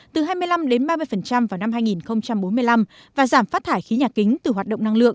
từ hai mươi năm ba mươi vào năm hai nghìn bốn mươi năm và giảm phát thải khí nhà kính từ hoạt động năng lượng